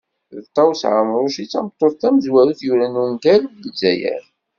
D Ṭawes Ɛemruc i tameṭṭut tamezwarut yuran ungal deg Lezzayer.